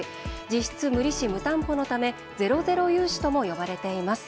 実質無利子・無担保のためゼロゼロ融資とも呼ばれています。